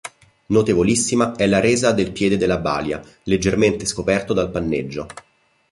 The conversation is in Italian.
Notevolissima è la resa del piede della balia, leggermente scoperto dal panneggio.